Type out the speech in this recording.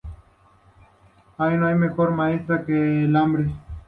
No hay mejor maestra que el hambre